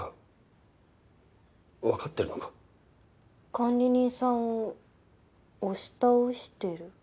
管理人さんを押し倒してる？